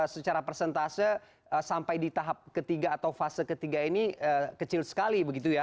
secara persentase sampai di tahap ketiga atau fase ketiga ini kecil sekali begitu ya